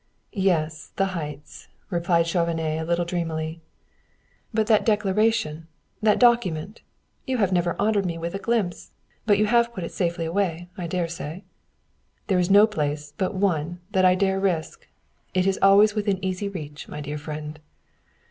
"Yes; the heights," repeated Chauvenet a little dreamily. "But that declaration that document! You have never honored me with a glimpse; but you have it put safely away, I dare say." "There is no place but one that I dare risk. It is always within easy reach, my dear friend."